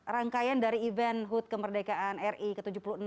rangkaian dari event hud kemerdekaan ri ke tujuh puluh enam